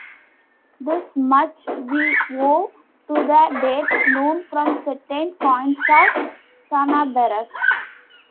This much we owe to the dates known from certain coins of Sanabares.